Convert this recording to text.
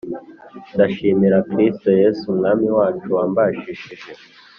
Ndashimira Kristo Yesu Umwami wacu wambashishije